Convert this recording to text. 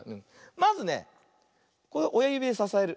まずねおやゆびでささえる。